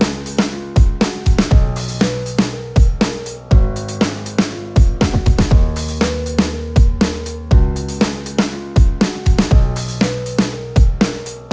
aku masih kommu